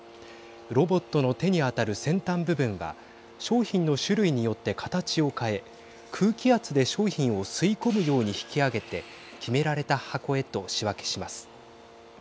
ロボットの手に当たる先端部分は商品の種類によって形を変え空気圧で商品を吸い込むように引き上げて決められた箱へと仕分けします。